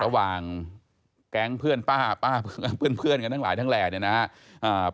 ระหว่างแก๊งเพื่อนป้าป้าเพื่อนกันทั้งหลายทั้งแหล่เนี่ยนะครับ